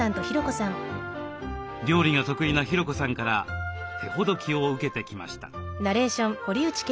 料理が得意な博子さんから手ほどきを受けてきました。